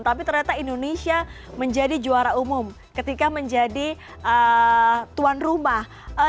tapi ternyata indonesia menjadi juara umum ketika menjadi tuan rumah